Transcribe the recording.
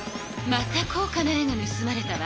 また高かな絵がぬすまれたわ。